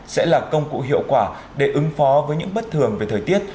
sẽ là công cụ hiệu quả để ứng phó với những bất thường về thời tiết